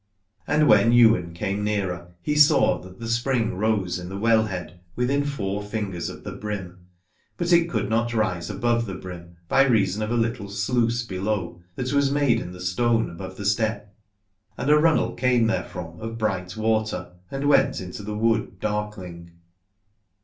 And when Ywain came nearer he saw that the spring rose in the well head within four fingers of the brim, but it could not rise above the brim by reason of a little sluice below, that was made in the stone above the step, and a runnel came therefrom of bright water and went into the wood darkling.